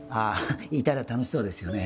いたら楽しそうですよね